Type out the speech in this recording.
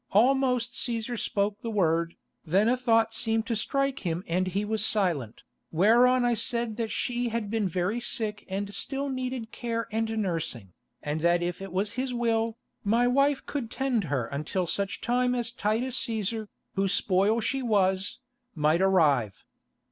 Almost Cæsar spoke the word, then a thought seemed to strike him and he was silent, whereon I said that she had been very sick and still needed care and nursing, and that if it was his will, my wife could tend her until such time as Titus Cæsar, whose spoil she was, might arrive.